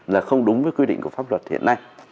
là không đúng với quy định của pháp luật hiện nay